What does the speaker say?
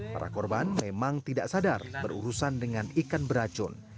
para korban memang tidak sadar berurusan dengan ikan beracun